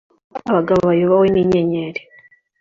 abagabo bayobowe ni nyenyeri